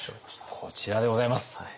こちらでございます。